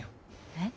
えっ。